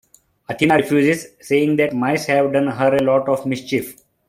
Athena refuses, saying that mice have done her a lot of mischief.